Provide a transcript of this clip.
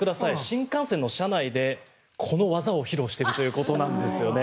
新幹線の車内でこの技を披露しているということなんですよね。